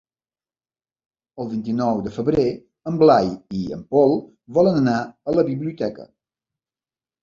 El vint-i-nou de febrer en Blai i en Pol volen anar a la biblioteca.